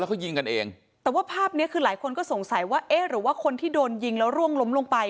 เขายิงกันเองแต่ว่าภาพเนี้ยคือหลายคนก็สงสัยว่าเอ๊ะหรือว่าคนที่โดนยิงแล้วร่วงล้มลงไป